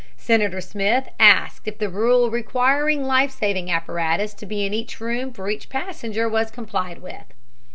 Senator Smith asked if the rule requiring life saving apparatus to be in each room for each passenger was complied with.